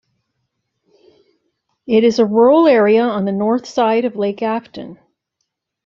It is a rural area on the north side of Lake Afton.